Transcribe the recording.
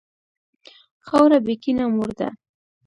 خاوره بېکینه مور ده.